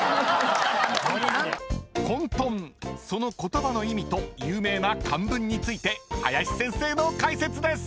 ［その言葉の意味と有名な漢文について林先生の解説です］